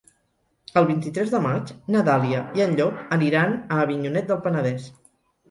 El vint-i-tres de maig na Dàlia i en Llop aniran a Avinyonet del Penedès.